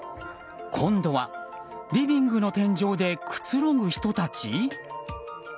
今度はリビングの天井でくつろぐ人たち？